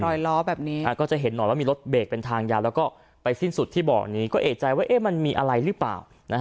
รอยล้อแบบนี้ก็จะเห็นหน่อยว่ามีรถเบรกเป็นทางยาวแล้วก็ไปสิ้นสุดที่เบาะนี้ก็เอกใจว่ามันมีอะไรหรือเปล่า